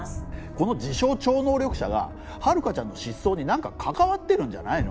「この自称超能力者が遥香ちゃんの失踪になんか関わってるんじゃないの？」